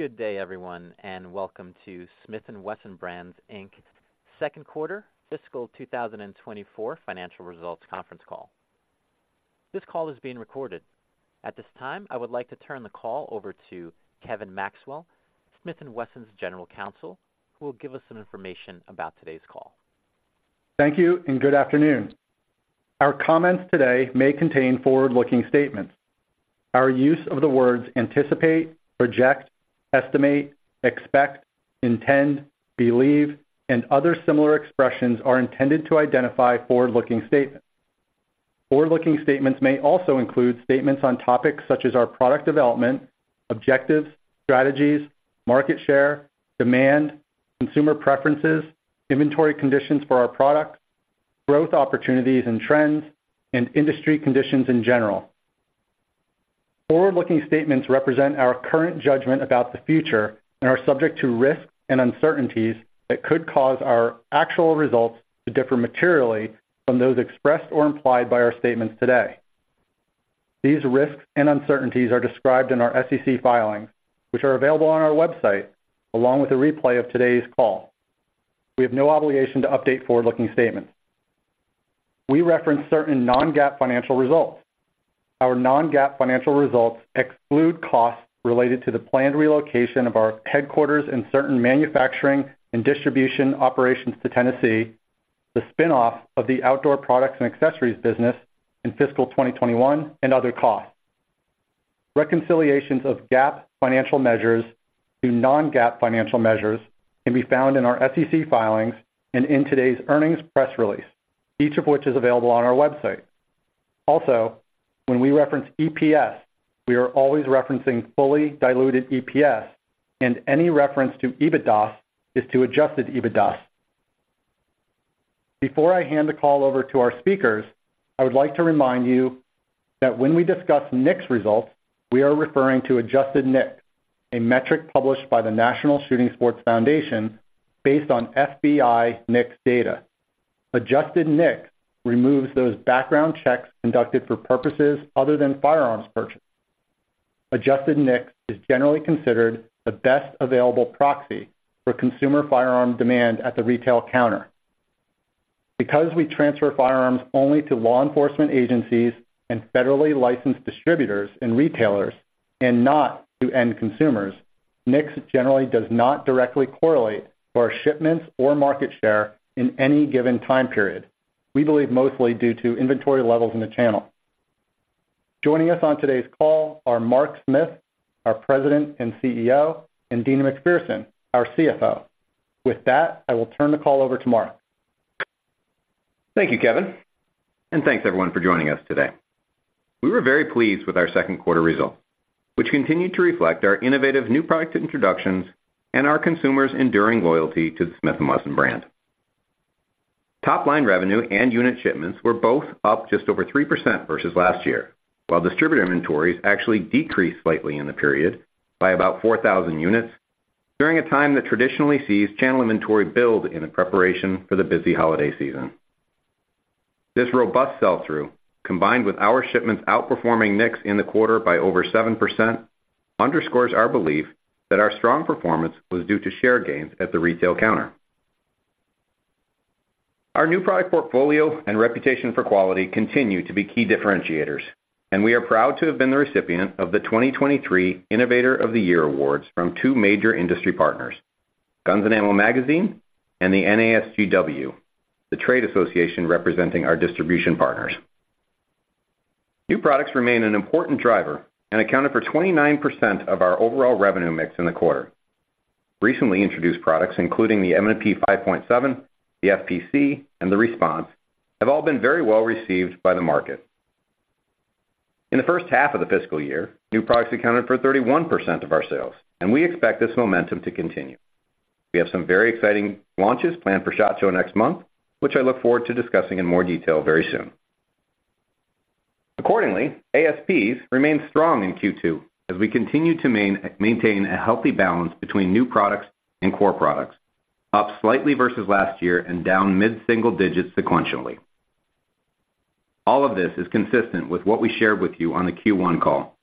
Good day, everyone, and welcome to Smith & Wesson Brands, Inc. Second Quarter Fiscal 2024 Financial Results Conference Call. This call is being recorded. At this time, I would like to turn the call over to Kevin Maxwell, Smith & Wesson's General Counsel, who will give us some information about today's call. Thank you, and good afternoon. Our comments today may contain forward-looking statements. Our use of the words anticipate, project, estimate, expect, intend, believe, and other similar expressions are intended to identify forward-looking statements. Forward-looking statements may also include statements on topics such as our product development, objectives, strategies, market share, demand, consumer preferences, inventory conditions for our products, growth opportunities and trends, and industry conditions in general. Forward-looking statements represent our current judgment about the future and are subject to risks and uncertainties that could cause our actual results to differ materially from those expressed or implied by our statements today. These risks and uncertainties are described in our SEC filings, which are available on our website, along with a replay of today's call. We have no obligation to update forward-looking statements. We reference certain non-GAAP financial results. Our non-GAAP financial results exclude costs related to the planned relocation of our headquarters and certain manufacturing and distribution operations to Tennessee, the spin-off of the outdoor products and accessories business in fiscal 2021, and other costs. Reconciliations of GAAP financial measures to non-GAAP financial measures can be found in our SEC filings and in today's earnings press release, each of which is available on our website. Also, when we reference EPS, we are always referencing fully diluted EPS, and any reference to EBITDA is to adjusted EBITDA. Before I hand the call over to our speakers, I would like to remind you that when we discuss NICS results, we are referring to adjusted NICS, a metric published by the National Shooting Sports Foundation based on FBI NICS data. Adjusted NICS removes those background checks conducted for purposes other than firearms purchase. Adjusted NICS is generally considered the best available proxy for consumer firearm demand at the retail counter. Because we transfer firearms only to law enforcement agencies and federally licensed distributors and retailers, and not to end consumers, NICS generally does not directly correlate to our shipments or market share in any given time period. We believe mostly due to inventory levels in the channel. Joining us on today's call are Mark Smith, our President and CEO, and Deana McPherson, our CFO. With that, I will turn the call over to Mark. Thank you, Kevin, and thanks everyone for joining us today. We were very pleased with our second quarter results, which continued to reflect our innovative new product introductions and our consumers' enduring loyalty to the Smith & Wesson brand. Top-line revenue and unit shipments were both up just over 3% versus last year, while distributor inventories actually decreased slightly in the period by about 4,000 units during a time that traditionally sees channel inventory build in the preparation for the busy holiday season. This robust sell-through, combined with our shipments outperforming NICS in the quarter by over 7%, underscores our belief that our strong performance was due to share gains at the retail counter. Our new product portfolio and reputation for quality continue to be key differentiators, and we are proud to have been the recipient of the 2023 Innovator of the Year awards from two major industry partners, Guns & Ammo Magazine and the NASGW, the trade association representing our distribution partners. New products remain an important driver and accounted for 29% of our overall revenue mix in the quarter. Recently introduced products, including the M&P 5.7, the FPC, and the Response, have all been very well received by the market. In the first half of the fiscal year, new products accounted for 31% of our sales, and we expect this momentum to continue. We have some very exciting launches planned for SHOT Show next month, which I look forward to discussing in more detail very soon. Accordingly, ASPs remained strong in Q2 as we continued to maintain a healthy balance between new products and core products, up slightly versus last year and down mid-single digits sequentially. All of this is consistent with what we shared with you on the Q1 call,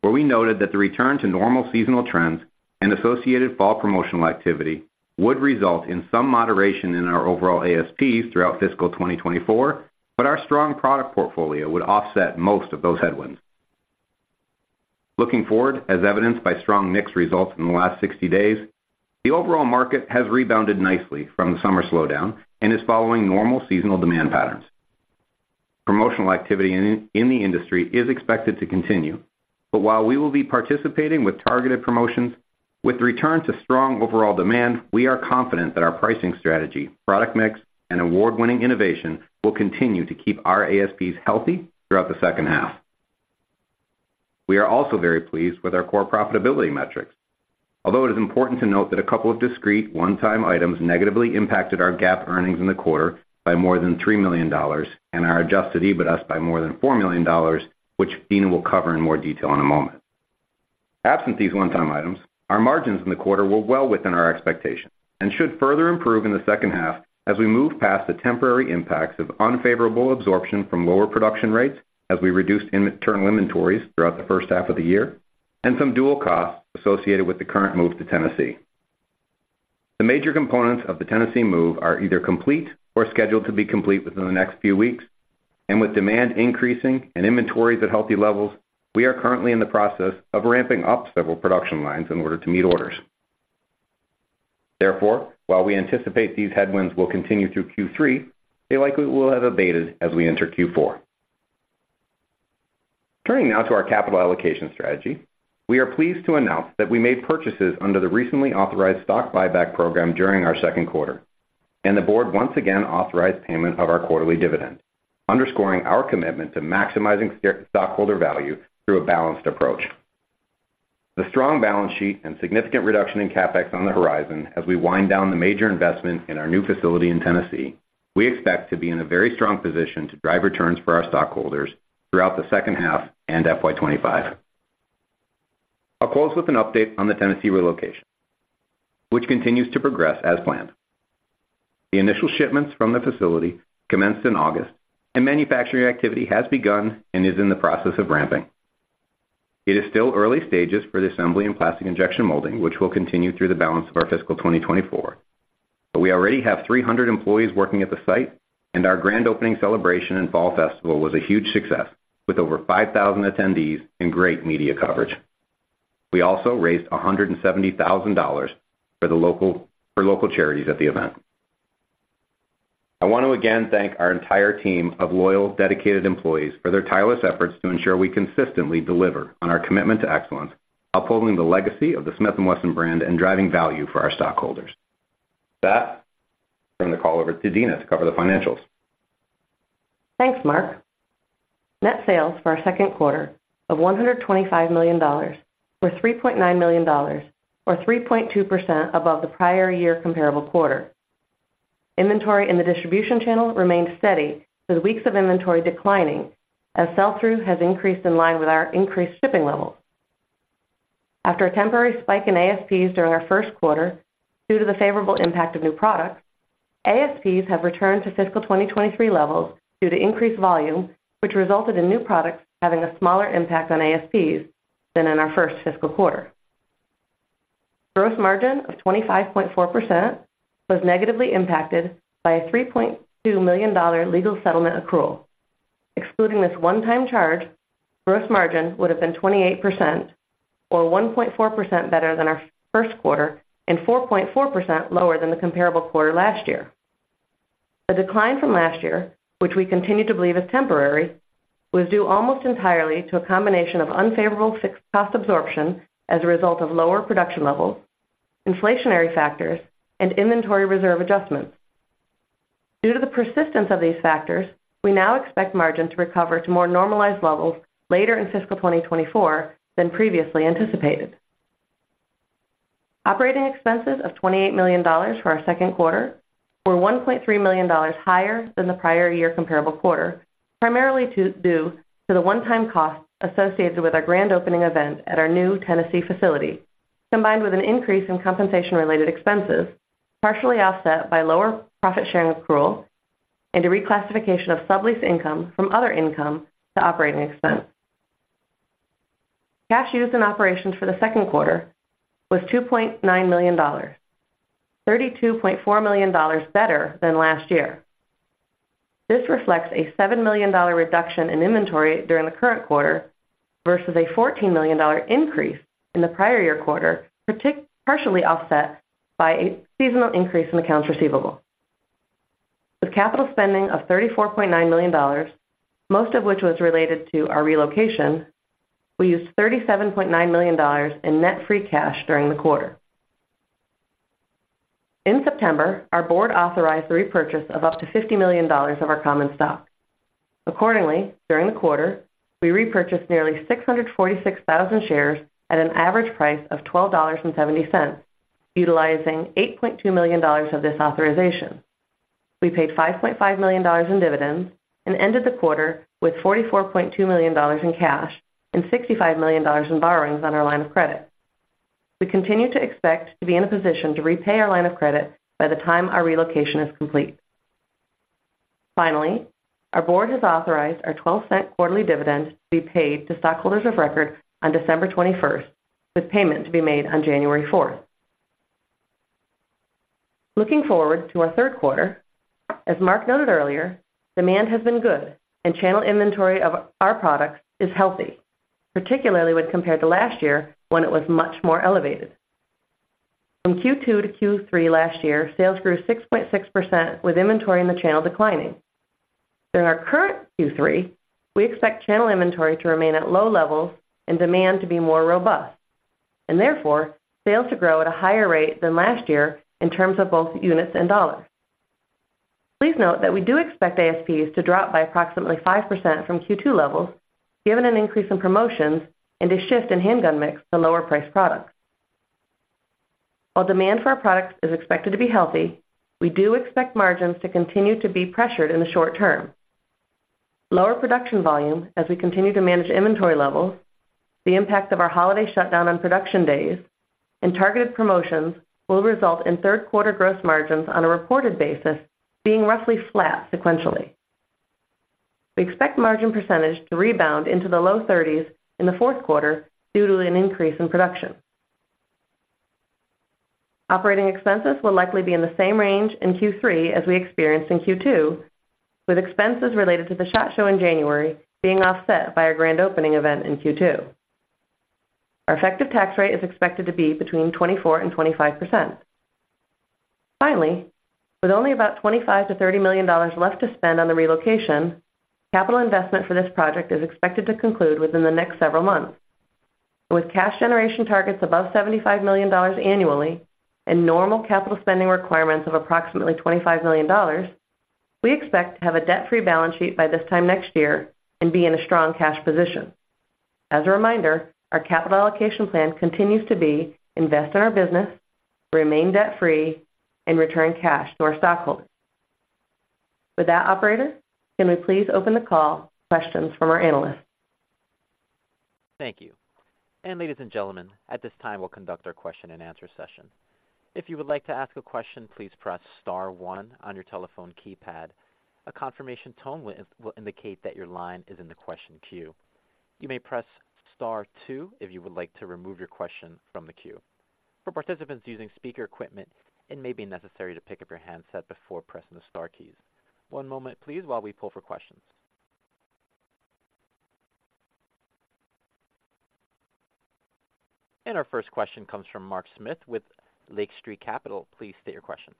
where we noted that the return to normal seasonal trends and associated fall promotional activity would result in some moderation in our overall ASPs throughout fiscal 2024, but our strong product portfolio would offset most of those headwinds. Looking forward, as evidenced by strong NICS results in the last 60 days, the overall market has rebounded nicely from the summer slowdown and is following normal seasonal demand patterns. Promotional activity in the industry is expected to continue, but while we will be participating with targeted promotions, with the return to strong overall demand, we are confident that our pricing strategy, product mix, and award-winning innovation will continue to keep our ASPs healthy throughout the second half. We are also very pleased with our core profitability metrics, although it is important to note that a couple of discrete one-time items negatively impacted our GAAP earnings in the quarter by more than $3 million and our adjusted EBITDA by more than $4 million, which Deana will cover in more detail in a moment. Absent these one-time items, our margins in the quarter were well within our expectations and should further improve in the second half as we move past the temporary impacts of unfavorable absorption from lower production rates as we reduced internal inventories throughout the first half of the year, and some dual costs associated with the current move to Tennessee. The major components of the Tennessee move are either complete or scheduled to be complete within the next few weeks, and with demand increasing and inventories at healthy levels, we are currently in the process of ramping up several production lines in order to meet orders. Therefore, while we anticipate these headwinds will continue through Q3, they likely will have abated as we enter Q4. Turning now to our capital allocation strategy, we are pleased to announce that we made purchases under the recently authorized stock buyback program during our second quarter, and the board once again authorized payment of our quarterly dividend, underscoring our commitment to maximizing stockholder value through a balanced approach. The strong balance sheet and significant reduction in CapEx on the horizon as we wind down the major investment in our new facility in Tennessee, we expect to be in a very strong position to drive returns for our stockholders throughout the second half and FY 25. I'll close with an update on the Tennessee relocation, which continues to progress as planned. The initial shipments from the facility commenced in August, and manufacturing activity has begun and is in the process of ramping. It is still early stages for the assembly and plastic injection molding, which will continue through the balance of our fiscal 2024, but we already have 300 employees working at the site, and our grand opening celebration and Fall Festival was a huge success, with over 5,000 attendees and great media coverage. We also raised $170,000 for local charities at the event. I want to again thank our entire team of loyal, dedicated employees for their tireless efforts to ensure we consistently deliver on our commitment to excellence, upholding the legacy of the Smith & Wesson brand and driving value for our stockholders. With that, turn the call over to Deana to cover the financials. Thanks, Mark. Net sales for our second quarter of $125 million were $3.9 million or 3.2% above the prior year comparable quarter. Inventory in the distribution channel remained steady, with weeks of inventory declining as sell-through has increased in line with our increased shipping levels. After a temporary spike in ASPs during our first quarter due to the favorable impact of new products, ASPs have returned to fiscal 2023 levels due to increased volume, which resulted in new products having a smaller impact on ASPs than in our first fiscal quarter. Gross margin of 25.4% was negatively impacted by a $3.2 million legal settlement accrual. Excluding this one-time charge, gross margin would have been 28%, or 1.4% better than our first quarter and 4.4% lower than the comparable quarter last year. The decline from last year, which we continue to believe is temporary, was due almost entirely to a combination of unfavorable fixed cost absorption as a result of lower production levels, inflationary factors, and inventory reserve adjustments. Due to the persistence of these factors, we now expect margin to recover to more normalized levels later in fiscal 2024 than previously anticipated. Operating expenses of $28 million for our second quarter were $1.3 million higher than the prior year comparable quarter, primarily due to the one-time costs associated with our grand opening event at our new Tennessee facility, combined with an increase in compensation-related expenses, partially offset by lower profit sharing accrual and a reclassification of sublease income from other income to operating expense. Cash used in operations for the second quarter was $2.9 million, $32.4 million better than last year. This reflects a $7 million reduction in inventory during the current quarter versus a $14 million increase in the prior year quarter, partially offset by a seasonal increase in accounts receivable. With capital spending of $34.9 million, most of which was related to our relocation, we used $37.9 million in net free cash during the quarter. In September, our board authorized the repurchase of up to $50 million of our common stock. Accordingly, during the quarter, we repurchased nearly 646,000 shares at an average price of $12.70, utilizing $8.2 million of this authorization. We paid $5.5 million in dividends and ended the quarter with $44.2 million in cash and $65 million in borrowings on our line of credit. We continue to expect to be in a position to repay our line of credit by the time our relocation is complete. Finally, our board has authorized our $0.12 quarterly dividend to be paid to stockholders of record on December twenty-first, with payment to be made on January fourth. Looking forward to our third quarter, as Mark noted earlier, demand has been good and channel inventory of our products is healthy, particularly when compared to last year, when it was much more elevated. From Q2 to Q3 last year, sales grew 6.6%, with inventory in the channel declining. During our current Q3, we expect channel inventory to remain at low levels and demand to be more robust, and therefore sales to grow at a higher rate than last year in terms of both units and dollars. Please note that we do expect ASPs to drop by approximately 5% from Q2 levels, given an increase in promotions and a shift in handgun mix to lower priced products. While demand for our products is expected to be healthy, we do expect margins to continue to be pressured in the short term. Lower production volume as we continue to manage inventory levels, the impact of our holiday shutdown on production days, and targeted promotions will result in third quarter gross margins on a reported basis being roughly flat sequentially. We expect margin percentage to rebound into the low 30s in the fourth quarter due to an increase in production. Operating expenses will likely be in the same range in Q3 as we experienced in Q2, with expenses related to the SHOT Show in January being offset by a grand opening event in Q2. Our effective tax rate is expected to be between 24% and 25%. Finally, with only about $25-$30 million left to spend on the relocation, capital investment for this project is expected to conclude within the next several months. With cash generation targets above $75 million annually and normal capital spending requirements of approximately $25 million, we expect to have a debt-free balance sheet by this time next year and be in a strong cash position. As a reminder, our capital allocation plan continues to be: invest in our business, remain debt-free, and return cash to our stockholders. With that, operator, can we please open the call questions from our analysts? Thank you. Ladies and gentlemen, at this time, we'll conduct our question-and-answer session. If you would like to ask a question, please press star one on your telephone keypad. A confirmation tone will indicate that your line is in the question queue. You may press star two if you would like to remove your question from the queue. For participants using speaker equipment, it may be necessary to pick up your handset before pressing the star keys. One moment, please, while we poll for questions. Our first question comes from Mark Smith with Lake Street Capital. Please state your question.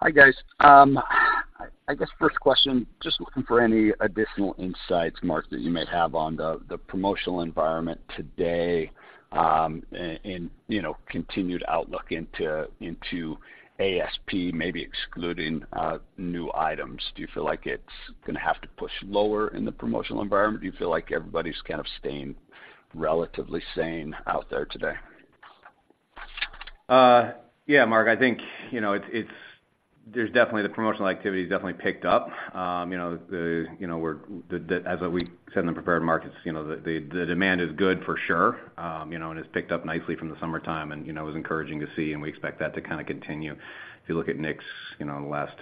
Hi, guys. I guess first question, just looking for any additional insights, Mark, that you might have on the, the promotional environment today, and, and, you know, continued outlook into, into ASP, maybe excluding new items. Do you feel like it's gonna have to push lower in the promotional environment? Do you feel like everybody's kind of staying relatively sane out there today? Yeah, Mark, I think, you know, it's—it's—there's definitely the promotional activity has definitely picked up. You know, the, you know, we're—the, the, as we said, in the prepared remarks, you know, the, the, the demand is good for sure, you know, and it's picked up nicely from the summertime and, you know, it was encouraging to see, and we expect that to kind of continue. If you look at NICS, you know, in the last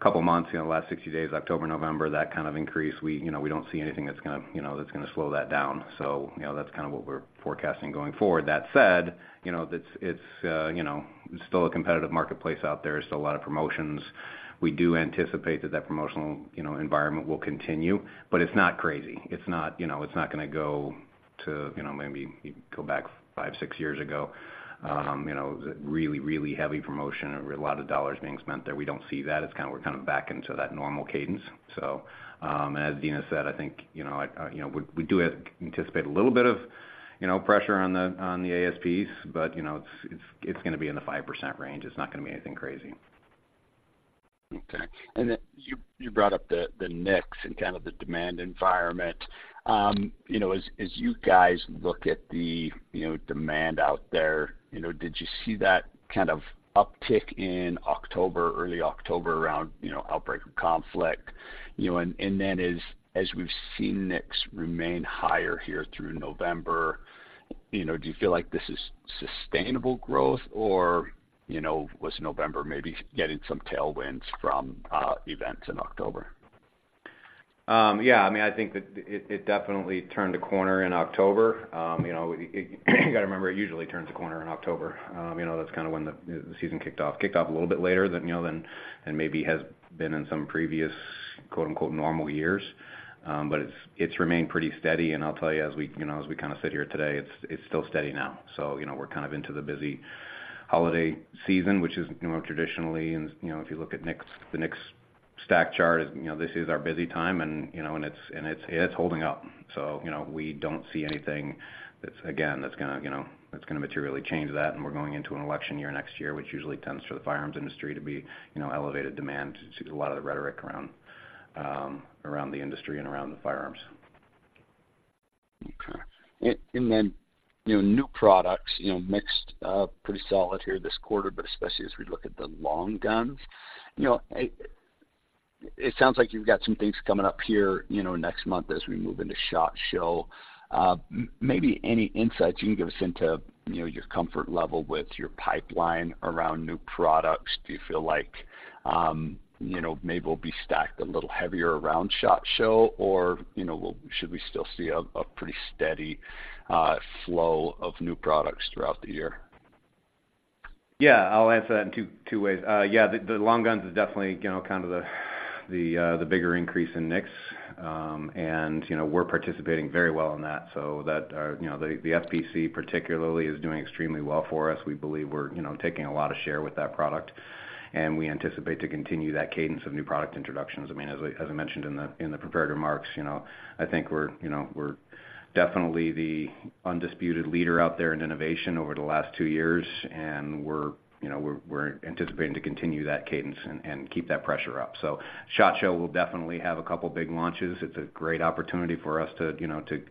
couple of months, you know, the last 60 days, October, November, that kind of increase, we, you know, we don't see anything that's gonna, you know, that's gonna slow that down. So, you know, that's kind of what we're forecasting going forward. That said, you know, that's it, you know, still a competitive marketplace out there. There's still a lot of promotions. We do anticipate that that promotional, you know, environment will continue, but it's not crazy. It's not, you know, it's not gonna go to, you know, maybe go back five, six years ago, you know, the really, really heavy promotion and a lot of dollars being spent there. We don't see that. It's kind of, we're kind of back into that normal cadence. So, as Deana said, I think, you know, I, you know, we, we do anticipate a little bit of, you know, pressure on the, on the ASPs, but, you know, it's, it's, it's gonna be in the 5% range. It's not gonna be anything crazy. Okay. And then you brought up the NICS and kind of the demand environment. You know, as you guys look at the demand out there, you know, did you see that kind of uptick in October, early October, around you know outbreak of conflict? You know, and then as we've seen NICS remain higher here through November, you know, do you feel like this is sustainable growth, or you know was November maybe getting some tailwinds from events in October? Yeah, I mean, I think that it definitely turned a corner in October. You know, you gotta remember, it usually turns a corner in October. You know, that's kind of when the season kicked off. Kicked off a little bit later than, you know, than maybe has been in some previous, quote, unquote, "normal years." But it's remained pretty steady, and I'll tell you, as we, you know, as we kind of sit here today, it's still steady now. So, you know, we're kind of into the busy holiday season, which is, you know, traditionally, and, you know, if you look at NICS, the NICS stack chart, you know, this is our busy time and, you know, and it's holding up. So, you know, we don't see anything that's, again, that's gonna, you know, that's gonna materially change that. And we're going into an election year next year, which usually tends for the firearms industry to be, you know, elevated demand. You see a lot of the rhetoric around, around the industry and around the firearms. Okay. And, and then, you know, new products, you know, mixed, pretty solid here this quarter, but especially as we look at the long guns. You know, it sounds like you've got some things coming up here, you know, next month as we move into SHOT Show. Maybe any insights you can give us into, you know, your comfort level with your pipeline around new products? Do you feel like, you know, maybe we'll be stacked a little heavier around SHOT Show, or, you know, should we still see a, a pretty steady, flow of new products throughout the year? Yeah, I'll answer that in two ways. Yeah, the long guns is definitely, you know, kind of the bigger increase in NICS. And, you know, we're participating very well in that, so that our, you know, the FPC particularly is doing extremely well for us. We believe we're, you know, taking a lot of share with that product, and we anticipate to continue that cadence of new product introductions. I mean, as I mentioned in the prepared remarks, you know, I think we're, you know, we're definitely the undisputed leader out there in innovation over the last two years, and we're, you know, we're anticipating to continue that cadence and keep that pressure up. So SHOT Show will definitely have a couple of big launches. It's a great opportunity for us to, you know, to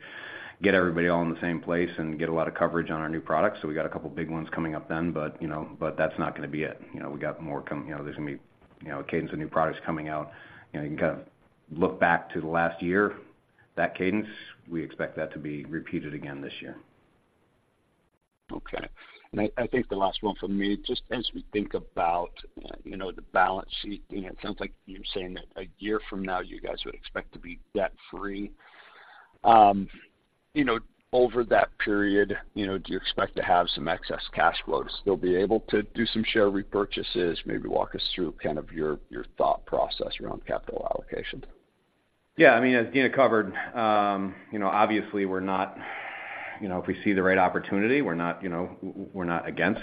get everybody all in the same place and get a lot of coverage on our new products. So we got a couple of big ones coming up then, but, you know, but that's not gonna be it. You know, we got more coming. You know, there's gonna be, you know, a cadence of new products coming out. You know, you can kind of look back to the last year, that cadence, we expect that to be repeated again this year.... Okay. And I think the last one from me, just as we think about, you know, the balance sheet, you know, it sounds like you're saying that a year from now, you guys would expect to be debt-free. You know, over that period, you know, do you expect to have some excess cash flow to still be able to do some share repurchases? Maybe walk us through kind of your thought process around capital allocation. Yeah, I mean, as Deana covered, you know, obviously, we're not, you know, if we see the right opportunity, we're not, you know, we're not against,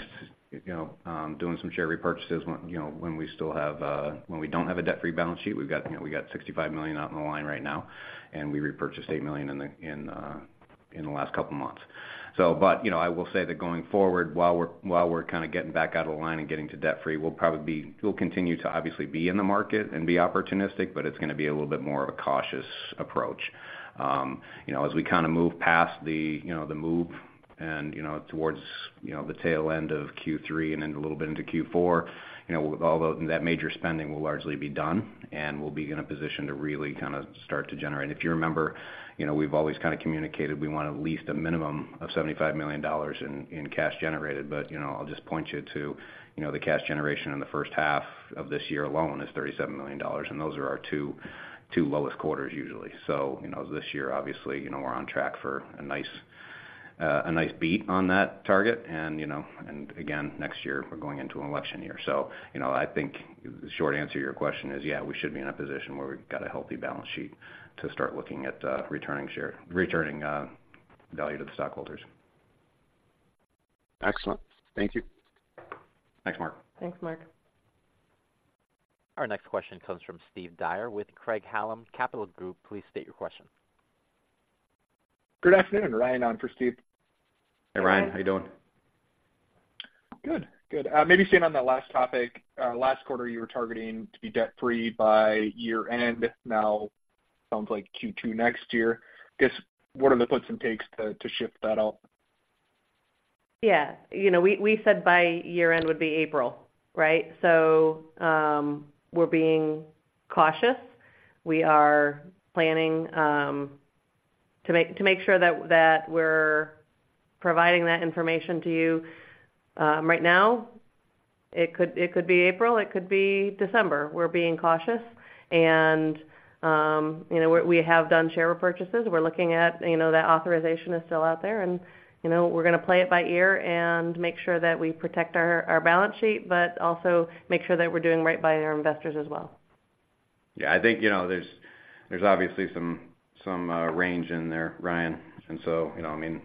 you know, doing some share repurchases when, you know, when we still have, when we don't have a debt-free balance sheet. We've got, you know, we got $65 million out on the line right now, and we repurchased $8 million in the, in, in the last couple of months. So but, you know, I will say that going forward, while we're, while we're kind of getting back out of the line and getting to debt free, we'll probably we'll continue to obviously be in the market and be opportunistic, but it's gonna be a little bit more of a cautious approach. You know, as we kind of move past the, you know, the move and, you know, towards, you know, the tail end of Q3 and then a little bit into Q4, you know, with all those, that major spending will largely be done, and we'll be in a position to really kind of start to generate. If you remember, you know, we've always kind of communicated, we want at least a minimum of $75 million in, in cash generated. But, you know, I'll just point you to, you know, the cash generation in the first half of this year alone is $37 million, and those are our two, two lowest quarters usually. So, you know, this year, obviously, you know, we're on track for a nice, a nice beat on that target. And, you know, and again, next year, we're going into an election year. You know, I think the short answer to your question is, yeah, we should be in a position where we've got a healthy balance sheet to start looking at returning value to the stockholders. Excellent. Thank you. Thanks, Mark. Thanks, Mark. Our next question comes from Steve Dyer with Craig-Hallum Capital Group. Please state your question. Good afternoon, Ryan, on for Steve. Hey, Ryan. How you doing? Good. Good. Maybe staying on that last topic, last quarter, you were targeting to be debt-free by year-end. Now, sounds like Q2 next year. Guess, what are the puts and takes to, to shift that out? Yeah, you know, we said by year-end would be April, right? So, we're being cautious. We are planning to make sure that we're providing that information to you. Right now, it could be April, it could be December. We're being cautious, and, you know, we have done share repurchases. We're looking at, you know, that authorization is still out there, and, you know, we're gonna play it by ear and make sure that we protect our balance sheet, but also make sure that we're doing right by our investors as well. Yeah, I think, you know, there's obviously some range in there, Ryan. And so, you know, I mean,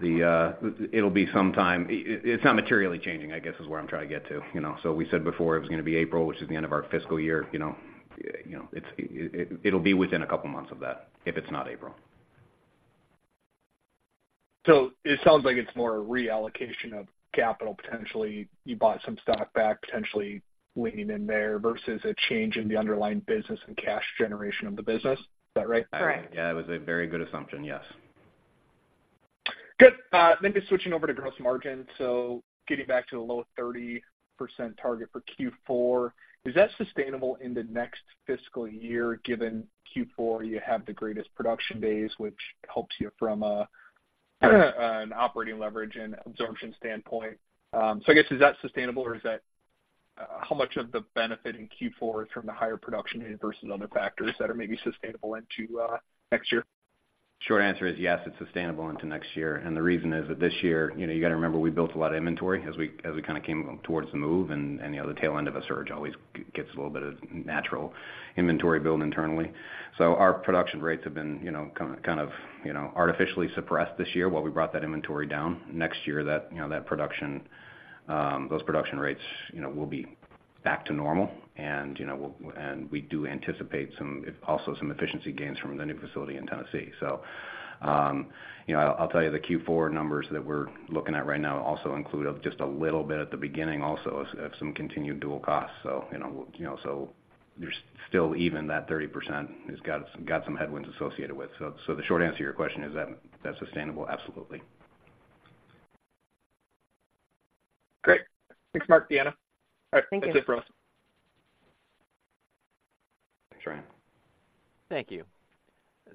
the it'll be some time. It, it's not materially changing, I guess, is where I'm trying to get to, you know? So we said before, it was gonna be April, which is the end of our fiscal year, you know, it'll be within a couple of months of that, if it's not April. So it sounds like it's more a reallocation of capital. Potentially, you bought some stock back, potentially leaning in there versus a change in the underlying business and cash generation of the business. Is that right? Correct. Yeah, it was a very good assumption, yes. Good. Then just switching over to gross margin. So getting back to the low 30% target for Q4, is that sustainable in the next fiscal year, given Q4, you have the greatest production days, which helps you from an operating leverage and absorption standpoint? So I guess, is that sustainable, or is that, how much of the benefit in Q4 is from the higher production versus other factors that are maybe sustainable into, next year? Short answer is yes, it's sustainable into next year. The reason is that this year, you know, you got to remember, we built a lot of inventory as we kind of came towards the move, and, you know, the tail end of a surge always gets a little bit of natural inventory build internally. So our production rates have been, you know, kind of, you know, artificially suppressed this year while we brought that inventory down. Next year, that production, those production rates, you know, will be back to normal. And, you know, and we do anticipate some also some efficiency gains from the new facility in Tennessee. So, you know, I'll tell you the Q4 numbers that we're looking at right now also include of just a little bit at the beginning, also of some continued dual costs. So, you know, you know, so there's still even that 30% has got some headwinds associated with. So the short answer to your question is that, that's sustainable? Absolutely. Great. Thanks, Mark, Deana. All right. Thank you. That's it for us. Thanks, Ryan. Thank you.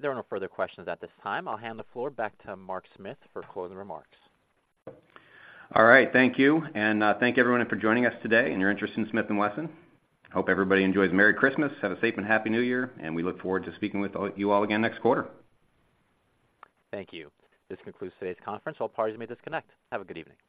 There are no further questions at this time. I'll hand the floor back to Mark Smith for closing remarks. All right. Thank you. And, thank everyone for joining us today and your interest in Smith & Wesson. Hope everybody enjoys Merry Christmas. Have a safe and Happy New Year, and we look forward to speaking with all- you all again next quarter. Thank you. This concludes today's conference. All parties may disconnect. Have a good evening.